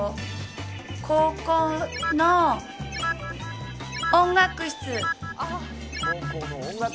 高校の音楽室！